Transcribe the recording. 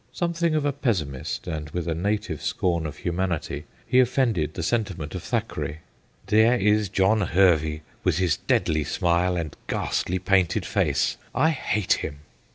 Something of a pessimist and with a native scorn of humanity, he offended the sentiment of Thackeray. ' There is John Hervey, with his deadly smile and ghastly, painted face I hate him.'